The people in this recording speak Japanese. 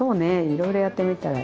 いろいろやってみたら。